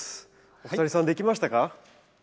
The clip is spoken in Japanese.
お二人さんできましたか？